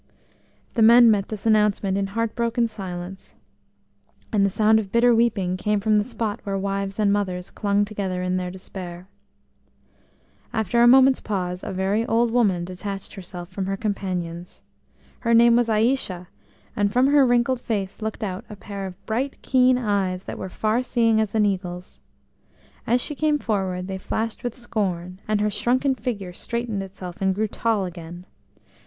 The men met this announcement in heartbroken silence, and the sound of bitter weeping came from the spot where wives and mothers clung together in their despair. After a moment's pause a very old woman detached herself from her companions. Her name was Aïcha, and from her wrinkled face looked out a pair of bright keen eyes that were far seeing as an eagle's. As she came forward they flashed with scorn, and her shrunken figure straightened itself and grew tall again.